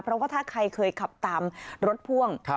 เพราะว่าถ้าใครเคยขับตามรถพ่วง